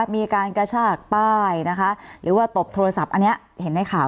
มีการกระชากป้ายนะคะหรือว่าตบโทรศัพท์อันนี้เห็นในข่าว